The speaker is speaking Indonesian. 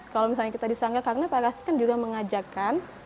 kalau misalnya kita disanggar karena pak rashid kan juga mengajarkan